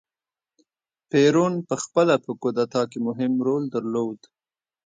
پېرون په خپله په کودتا کې مهم رول درلود.